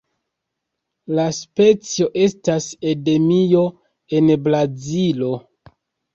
La specio estas endemio en Brazilo.